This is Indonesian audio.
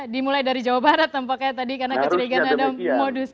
dimulai dari jawa barat tampaknya tadi karena kecurigaan ada modus